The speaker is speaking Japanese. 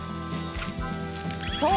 そう！